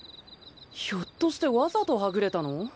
ひょっとしてわざとはぐれたの？